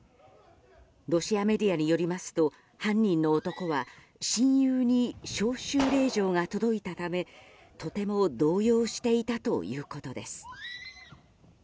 ロシアにメディアによりますと犯人の男は親友に招集令状が届いたためとても動揺していたということです。